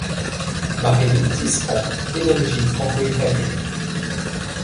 Marilyn Tisserand est d'origine franco-italienne.